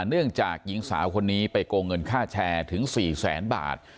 เนื่องจากหญิงสาวคนนี้ไปโกงเงินค่าแชร์ถึง๔แสนบาท